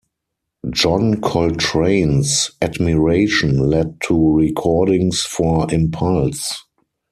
John Coltrane's admiration led to recordings for Impulse!